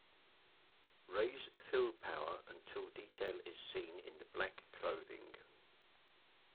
Raise fill power until detail is seen in the black clothing.